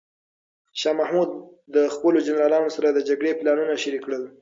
شاه محمود د خپلو جنرالانو سره د جګړې پلانونه شریک کړل.